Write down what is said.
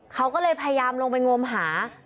เขาก็เลยพยายามลงไปงมหา